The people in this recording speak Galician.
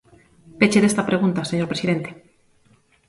Peche desta pregunta, señor presidente.